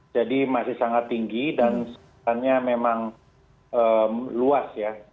jadi masih sangat tinggi dan sebetulnya memang luas ya